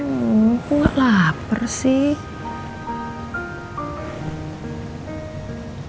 aku gak lapar sih